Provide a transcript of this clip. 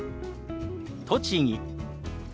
「栃木」。